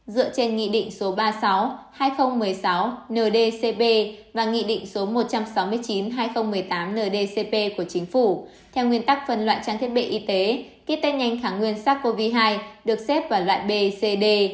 dựa trên nghị định số ba mươi sáu hai nghìn một mươi sáu ndcp và nghị định số một trăm sáu mươi chín hai nghìn một mươi tám ndcp của chính phủ theo nguyên tắc phân loại trang thiết bị y tế kit test nhanh kháng nguyên sars cov hai được xếp vào loại bcd